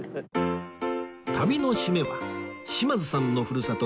旅の締めは島津さんのふるさと